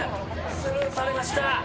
スルーされました。